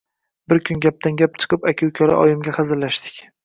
Bir kuni gapdan-gap chiqib, aka-ukalar oyimga hazillashdik.